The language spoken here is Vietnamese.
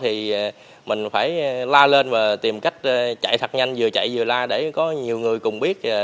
thì mình phải la lên và tìm cách chạy thật nhanh vừa chạy vừa la để có nhiều người cùng biết